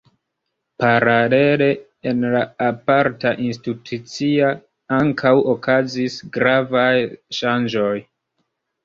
Paralele, en la aparta institucia ankaŭ okazis gravaj ŝanĝoj.